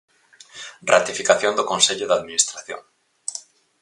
Ratificación do Consello de Administración.